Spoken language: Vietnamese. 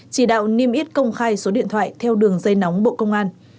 chỉ đạo niêm yết công khai số điện thoại theo đường dây nóng bộ công an